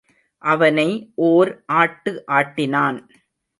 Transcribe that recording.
அவனை ஓர் ஆட்டு ஆட்டினான்.